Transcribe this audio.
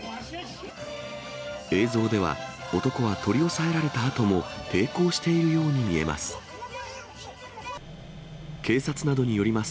映像では、男は取り押さえられたあとも、抵抗しているように見えます。